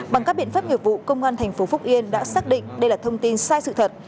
bằng các biện pháp nghiệp vụ công an thành phố phúc yên đã xác định đây là thông tin sai sự thật